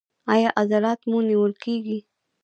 ایا عضلات مو نیول کیږي؟